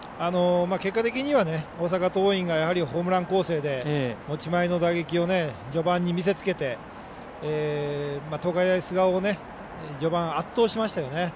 結果的には大阪桐蔭がホームラン攻勢で持ち前の打撃を序盤に見せ付けて東海大菅生を序盤、圧倒しましたよね。